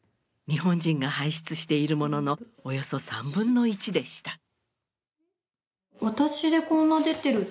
日本人が排出しているもののおよそ３分の１でした。